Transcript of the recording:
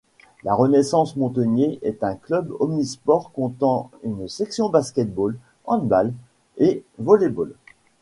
La Renaissance Montegnée est un club omnisports comptant une section Basket-ball, Handball et Volley-ball.